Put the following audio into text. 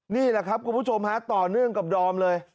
นี่แหละครับคุณผู้ชมฮะต่อเนื่องกับดอมเลย